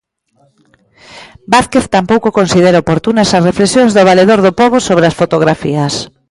Vázquez tampouco considera oportunas as reflexións do Valedor do Pobo sobre as fotografías.